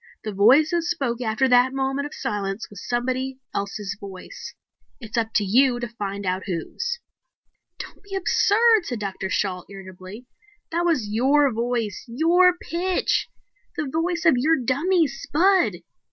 The voice that spoke after that moment of silence was somebody else's voice. It's up to you to find out whose." "Don't be absurd," said Dr. Shalt, irritably. "That was your voice, your pitch. The voice of your dummy, Spud."